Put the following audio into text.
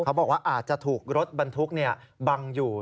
เขาบอกว่าอาจจะถูกรถบรรทุกบังอยู่